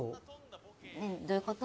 どういうこと？